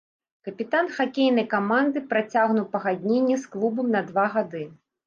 Капітан хакейнай каманды працягнуў пагадненне з клубам на два гады.